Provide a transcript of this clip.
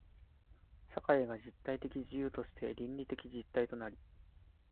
社会が実体的自由として倫理的実体となり、